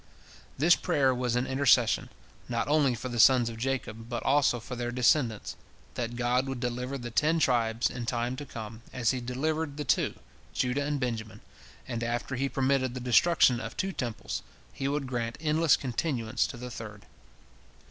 This prayer was an intercession, not only for the sons of Jacob, but also for their descendants—that God would deliver the Ten Tribes in time to come, as He delivered the two, Judah and Benjamin, and after He permitted the destruction of two Temples, He would grant endless continuance to the third.